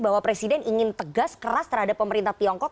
bahwa presiden ingin tegas keras terhadap pemerintah tiongkok